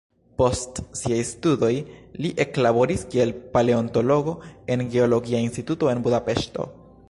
Post siaj studoj li eklaboris kiel paleontologo en geologia instituto en Budapeŝto.